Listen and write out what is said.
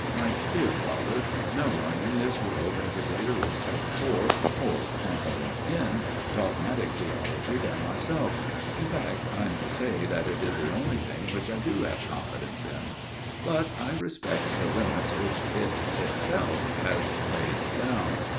My dear Father, no one in this world has a greater respect for, or confidence in, dogmatic theology than myself ; in fact, I may say that it is the only thing which I do have confidence in. But I respect the limits which it itself has laid down."